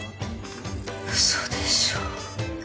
嘘でしょ？